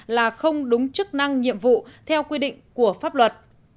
là không đúng chức năng nhiệm vụ theo quy định của pháp luật